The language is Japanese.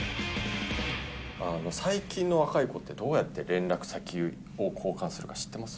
最近の若い子ってどうやって連絡先を交換するか知ってます？